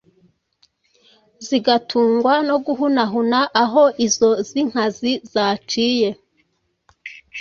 zigatungwa no guhunahuna aho izo z’inkazi zaciye.